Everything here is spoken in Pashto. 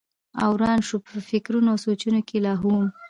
او روان شو پۀ فکرونو او سوچونو کښې لاهو وم